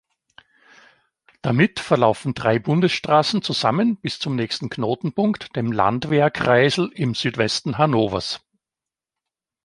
Damit verlaufen drei Bundesstraßen zusammen bis zum nächsten Knotenpunkt, dem Landwehr-Kreisel im Südwesten Hannovers.